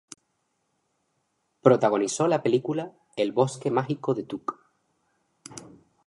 Protagonizó la película "El bosque mágico de Tuck".